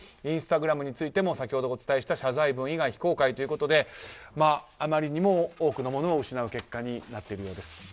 インスタグラムについても先ほどお伝えした謝罪文以外非公開ということであまりにも多くのものを失う結果になっているようです。